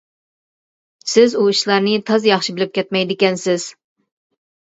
سىز ئۇ ئىشلارنى تازا ياخشى بىلىپ كەتمەيدىكەنسىز.